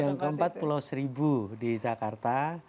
yang keempat pulau seribu di jakarta